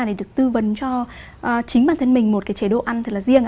để được tư vấn cho chính bản thân mình một cái chế độ ăn thật là riêng